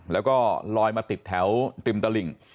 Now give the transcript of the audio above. แล้วก็ลอยมาติดแถวริมตลิ่ง